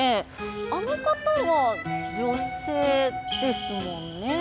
あの方は女性ですもんね。